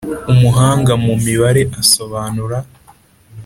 Umuhanga mu mibare asobanura